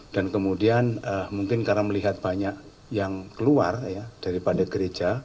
dan kemudian mungkin karena melihat banyak yang keluar daripada gereja